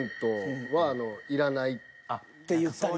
って言ったりとか。